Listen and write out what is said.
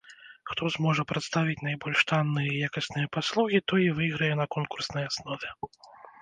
Хто зможа прадставіць найбольш танныя і якасныя паслугі, той і выйграе на конкурснай аснове.